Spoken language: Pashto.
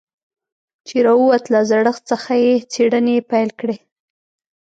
چې راووت له زړښت څخه يې څېړنې پيل کړې.